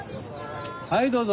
はいどうぞ。